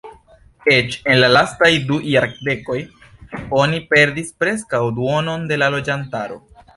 Eĉ en la lastaj du jardekoj oni perdis preskaŭ duonon de la loĝantaro.